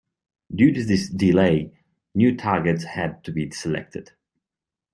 Due to this delay, new targets had to be selected.